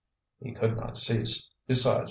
He could not cease. Besides, M.